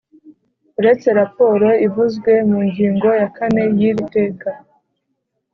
Uretse raporo ivuzwe mu ngingo ya kane y’iri teka